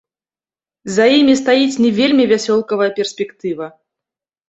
За імі стаіць не вельмі вясёлкавая перспектыва.